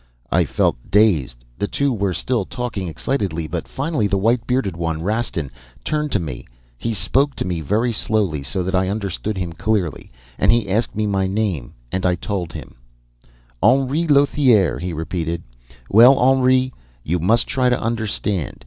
I felt dazed. The two were still talking excitedly, but finally the white bearded one, Rastin, turned to me. He spoke to me, very slowly, so that I understood him clearly, and he asked me my name. I told him. "'Henri Lothiere,' he repeated. 'Well, Henri, you must try to understand.